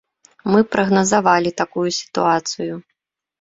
Мы прагназавалі такую сітуацыю.